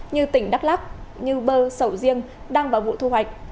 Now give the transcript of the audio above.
như tỉnh đắk lắc như bơ sầu riêng đang vào vụ thu hoạch